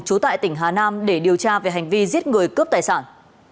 trú tại tỉnh hà nam để điều tra về hành vi giết người cướp tài sản